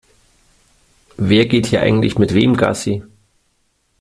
Wer geht hier eigentlich mit wem Gassi?